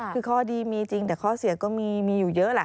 คือข้อดีมีจริงแต่ข้อเสียก็มีอยู่เยอะแหละ